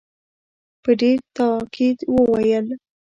په ډېر تاءکید وویل.